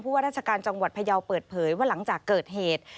ว่าราชการจังหวัดพยาวเปิดเผยว่าหลังจากเกิดเหตุ